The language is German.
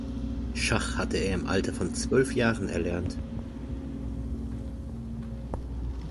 Schach hatte er im Alter von zwölf Jahren erlernt.